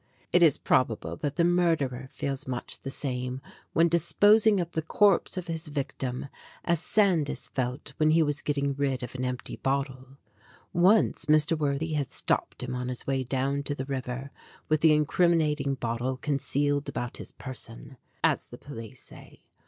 It is probable that the murderer feels much the same when disposing of the corpse of his victim as Sandys felt when he was getting rid of an empty bottle. Once Mr. Worthy had stopped him on his way down to the river with the incriminating bottle concealed about his person, as the police say.